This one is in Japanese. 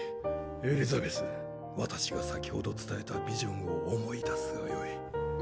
エリザベス私が先ほど伝えた「千里眼」を思い出すがよい。